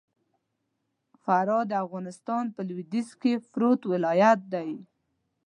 فراه د افغانستان په لوېديځ کي پروت ولايت دئ.